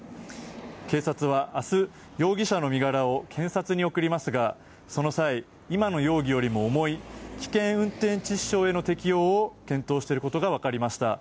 警察は、明日容疑者の身柄を検察に送りますがその際、今の容疑よりも重い危険運転致死傷への適用を検討していることが分かりました。